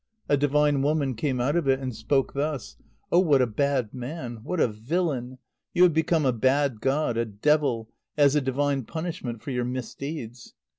A divine woman came out of it, and spoke thus: "Oh! what a bad man! what a villain! You have become a bad god, a devil, as a divine punishment for your misdeeds.